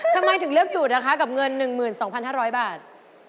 ทำไมถึงเลือกหยุดนะคะกับเงิน๑๒๕๐๐บาท